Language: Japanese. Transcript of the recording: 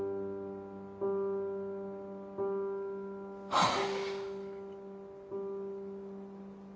はあ。